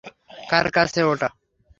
কার কাছে ওটা?